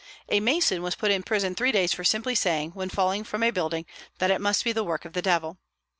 A mason was put in prison three days for simply saying, when falling from a building, that it must be the work of the Devil.